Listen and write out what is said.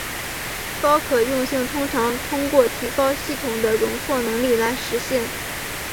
高可用性通常通过提高系统的容错能力来实现。